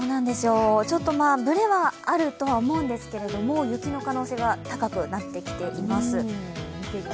ちょっとぶれはあるとは思うんですけれども、雪の可能性が高くなってきています。